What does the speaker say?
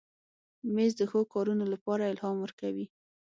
مېز د ښو کارونو لپاره الهام ورکوي.